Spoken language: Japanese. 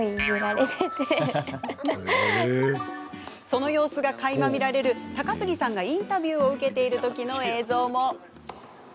その様子が、かいま見られる高杉さんがインタビューを受けている時の映像も。